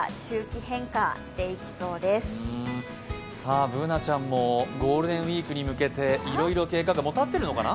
Ｂｏｏｎａちゃんも、ゴールデンウイークに向けて、いろいろ計画、もう立ってるのかな？